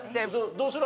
どうする？